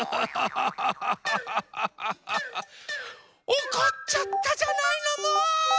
おこっちゃったじゃないのもう！